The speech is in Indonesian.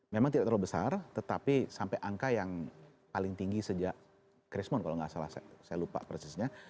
memang tidak terlalu besar tetapi sampai angka yang paling tinggi sejak chrismon kalau nggak salah saya lupa persisnya